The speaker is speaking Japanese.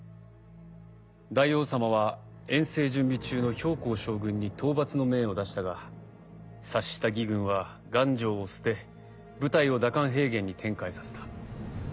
大王様は遠征準備中の公将軍に討伐の命を出したが察した魏軍は丸城を捨て部隊を蛇甘平原に展開させた。